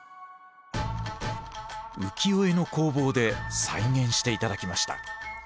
浮世絵の工房で再現して頂きました。